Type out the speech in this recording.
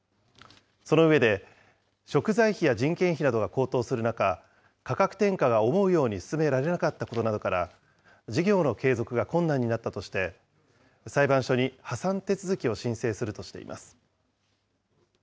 その上で、食材費や人件費などが高騰する中、価格転嫁が思うように進められなかったことなどから、事業の継続が困難になったとして、裁判所に破産手続きを申請するとしています。